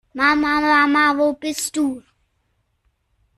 Mama, Mama, wo bist du?